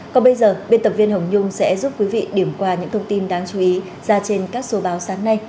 còn bây giờ biên tập viên hồng nhung sẽ giúp quý vị điểm qua những thông tin đáng chú ý ra trên các số báo sáng nay